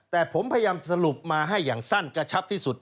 แต่ผมพยายามสรุปมาให้อย่างสั้นกระชับที่สุด